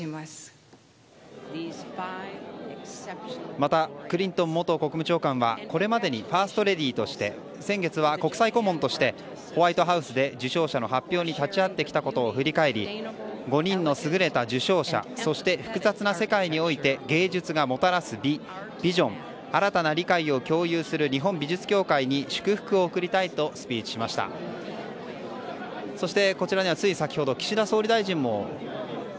またクリントン元国務長官はこれまでにファーストレディとして先月は国際顧問としてホワイトハウスで受賞者の発表に立ち会ってきたことを振り返り５人の優れた受賞者そして複雑な世界において芸術がもたらす美、ビジョン新たな理解を近畿大学の剣道部員が別の部員に暴行を加えた疑いで逮捕されていたことが分かりました。